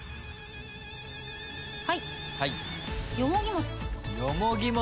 はい。